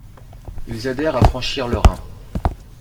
Ils aidèrent à franchir le Rhin.